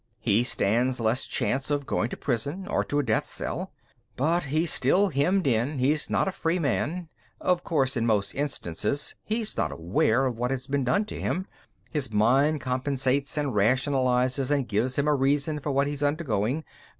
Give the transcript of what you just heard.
He stands less chance of going to prison, or to a death cell. But he's still hemmed in; he's not a free man. Of course, in most instances, he's not aware of what has been done to him; his mind compensates and rationalizes and gives him a reason for what he's undergoing.